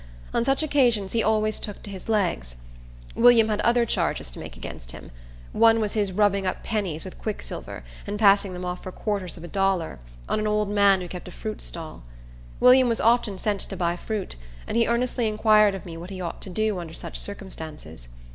On such occasions he always took to his legs. William had other charges to make against him. One was his rubbing up pennies with quicksilver, and passing them off for quarters of a dollar on an old man who kept a fruit stall. William was often sent to buy fruit, and he earnestly inquired of me what he ought to do under such circumstances.